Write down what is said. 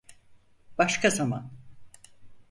Başka zaman.